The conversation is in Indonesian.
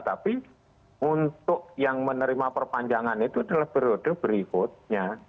tapi untuk yang menerima perpanjangan itu adalah periode berikutnya